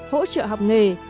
hỗ trợ học nghề